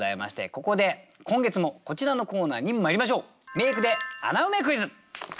ここで今月もこちらのコーナーにまいりましょう。